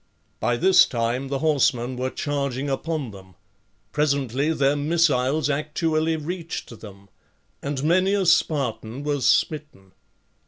By this time the horsemen were charging upon them; presently their missiles actually reached them, and many a Spartan was smitten.